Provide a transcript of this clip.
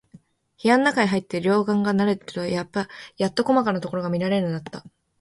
部屋のなかへ入って、両眼が慣れるとやっと、こまかなところが見わけられるのだった。